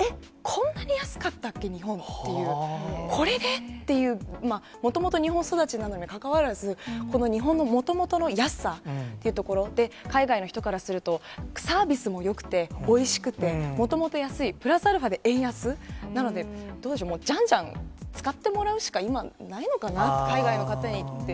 こんなに安かったっけ、日本って、これで？っていう、もともと日本育ちなのにもかかわらず、この日本のもともとの安さというところ、海外の人からすると、サービスもよくて、おいしくて、もともと安い、プラスアルファで円安、なので、どうしよう、じゃんじゃん使ってもらうしか、今ないのかな、海外の方にって。